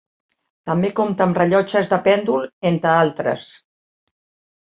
També compta amb rellotges de pèndol, entre altres.